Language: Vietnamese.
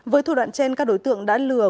với thủ đoạn trên các đối tượng đã lừa